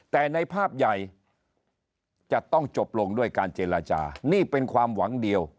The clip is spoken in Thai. แต่ในภาพใหญ่จะต้องจบลงด้วยการเจรจานี่เป็นความหวังเดียว